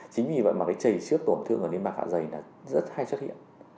chính vì vậy mà cái chày xước tổn thương ở nền mạng dạ dày là rất hay xuất hiện